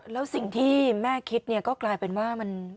แล้วสิ่งที่แม่คิดก็กลายเป็นว่า